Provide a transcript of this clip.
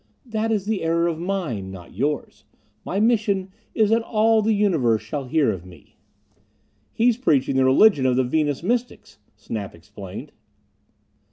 "That is the error of mine, not yours. My mission is that all the universe shall hear of me." "He's preaching the religion of the Venus Mystics," Snap explained.